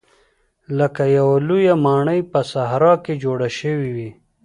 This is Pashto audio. لکه یوه لویه ماڼۍ په صحرا کې جوړه شوې وي.